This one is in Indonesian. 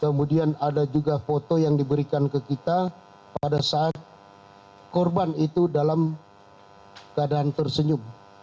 kemudian ada juga foto yang diberikan ke kita pada saat korban itu dalam keadaan tersenyum